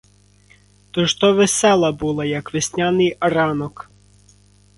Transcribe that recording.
То ж то весела була, як весняний ранок.